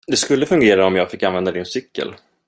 Det skulle fungera om jag fick använda din cykel.